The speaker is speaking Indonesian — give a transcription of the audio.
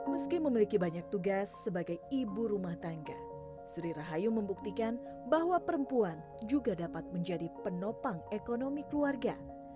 meski memiliki banyak tugas sebagai ibu rumah tangga sri rahayu membuktikan bahwa perempuan juga dapat menjadi penopang ekonomi keluarga